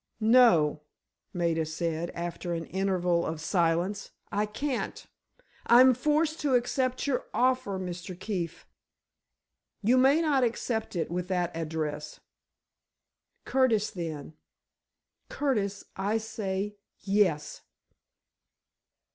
"No," Maida said, after an interval of silence. "I can't. I am forced to accept your offer, Mr. Keefe——" "You may not accept it with that address." "Curtis, then. Curtis, I say, yes."